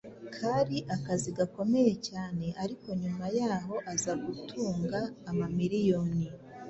Kari akazi gakomeye cyane ariko nyuma y’aho aza gutunga amamiliyoni